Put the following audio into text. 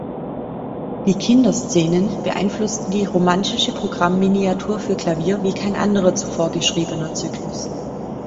Die "Kinderszenen" beeinflussten die romantische Programm-Miniatur für Klavier wie kein anderer zuvor geschriebener Zyklus.